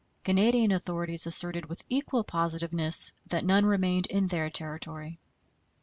Canadian authorities asserted with equal positiveness that none remained in their territory.